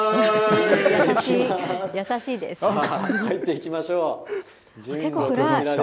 入っていきましょう。